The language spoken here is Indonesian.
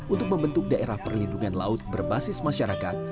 untuk membentuk daerah perlindungan laut berbasis masyarakat